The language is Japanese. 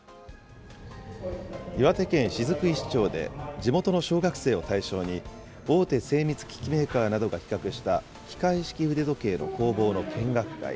地元の小学生を対象に、大手精密機器メーカーなどが企画した、機械式腕時計の工房の見学会。